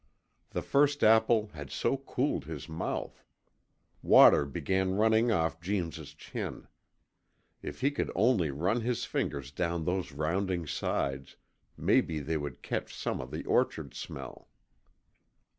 The first apple had so cooled his mouth! Water began running off Jeems's chin. If he could only run his fingers down those rounding sides, maybe they would catch some of the orchard smell.